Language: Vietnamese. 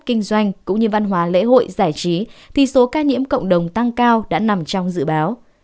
kinh doanh cũng như văn hóa lễ hội giải trí thì số ca nhiễm cộng đồng tăng cao đã nằm trong dự báo